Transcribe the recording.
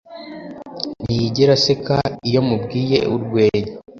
Ntiyigera aseka iyo mubwiye urwenya